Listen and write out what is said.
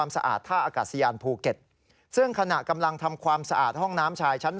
ซึ่งขณะกำลังทำความสะอาดห้องน้ำชายชั้น๓